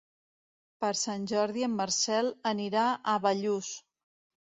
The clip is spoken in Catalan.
Per Sant Jordi en Marcel anirà a Bellús.